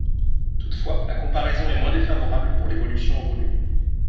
Toutefois, la comparaison est moins défavorable pour l’évolution en volume.